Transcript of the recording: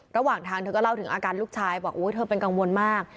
ระหว่างทางเธอก็เล่าถึงอาการลูกชายบอกเธอเป็นกังวลมาก